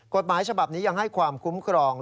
กฎหมายฉบับนี้ยังให้ความคุ้มครอง